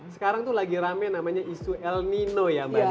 sekarang tuh lagi rame namanya isu el nino ya mbak desi